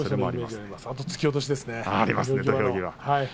あと突き落としですね土俵際。